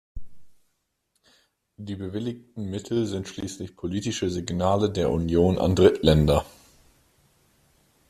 Die bewilligten Mittel sind schließlich politische Signale der Union an Drittländer.